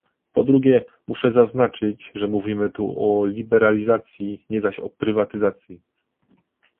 Po drugie, muszę zaznaczyć, że mówimy tu o liberalizacji, nie zaś o prywatyzacji